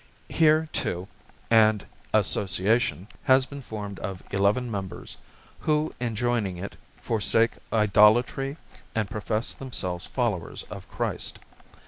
Here, too, an "Association" has been formed of eleven members, who in joining it, forsake idolatry and profess themselves followers of Christ.